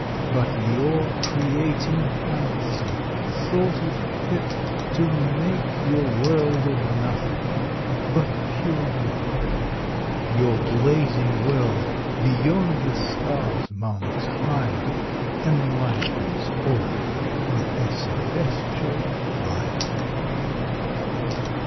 But your Creating Fancy, thought it fit To make your World of Nothing, but pure Wit. Your Blazing World, beyond the Stars mounts higher, Enlightens all with a Cœlestial Fier. William Newcastle.